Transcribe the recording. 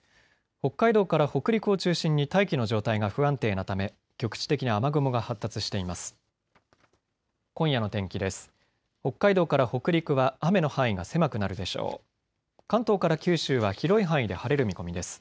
北海道から北陸を中心に大気の状態が不安定なため局地的に雨雲が発達しています。